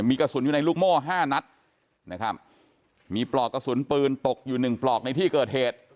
มีกระสุนอยู่ในลูกโม่ห้านัดนะครับมีปลอกกระสุนปืนตกอยู่หนึ่งปลอกในที่เกิดเหตุ